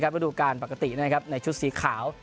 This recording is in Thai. มาดูการปกติในชุดสีขาว